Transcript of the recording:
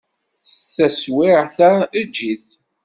Taswiɛt-a, eǧǧ-it.